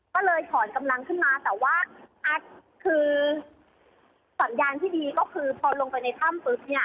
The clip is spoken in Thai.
ก็เลยถอนกำลังขึ้นมาแต่ว่าคือสัญญาณที่ดีก็คือพอลงไปในถ้ำปุ๊บเนี่ย